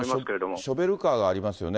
今、ショベルカーがありますよね。